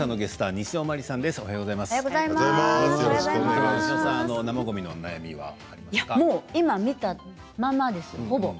西尾さん、生ごみの悩みは今見たまんまです、ほぼ。